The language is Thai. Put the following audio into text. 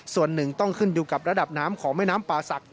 ส่วนหนึ่งต้องขึ้นอยู่กับระดับน้ำของแม่น้ำป่าศักดิ